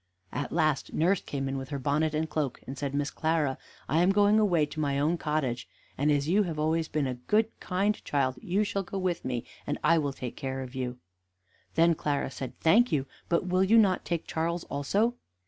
At last nurse came in with her bonnet and cloak, and said: "Miss Clara, I am going away to my own cottage, and as you have always been a kind, good child, you shall go with me, and I will take care of you." Then Clara said, "Thank you; but will you not take Charles also?"